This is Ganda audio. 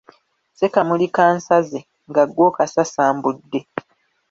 Ssekamuli kansaze, nga ggwe okasasambudde.